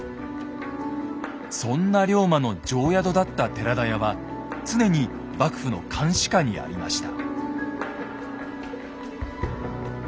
そんな龍馬の定宿だった寺田屋は常に幕府の監視下にありました。